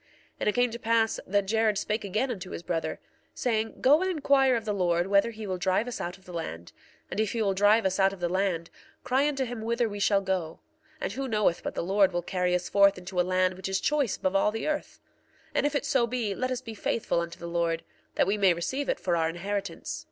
1:38 And it came to pass that Jared spake again unto his brother, saying: Go and inquire of the Lord whether he will drive us out of the land, and if he will drive us out of the land, cry unto him whither we shall go. And who knoweth but the Lord will carry us forth into a land which is choice above all the earth? And if it so be, let us be faithful unto the Lord, that we may receive it for our inheritance.